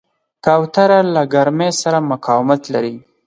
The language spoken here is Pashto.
کوتره له ګرمۍ سره مقاومت لري.